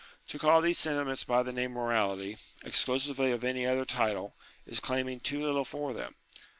To call these sentiments by the name morality, ex clusively of any other title, is claiming too little for them.